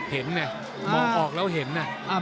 เห็นเนี่ยมองออกแล้วเห็นเนี่ย